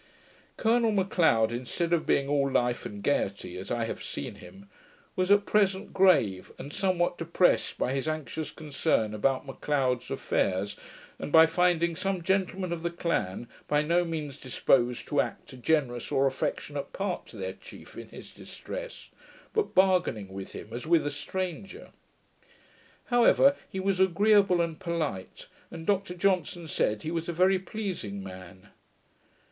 Colonel M'Leod, instead of being all life and gaiety, as I have seen him, was at present grave, and somewhat depressed by his anxious concern about M'Leod's affairs, and by finding some gentlemen of the clan by no means disposed to act a generous or affectionate part to their chief in his distress, but bargaining with him as with a stranger. However, he was agreeable and polite, and Dr Johnson said, he was a very pleasing man.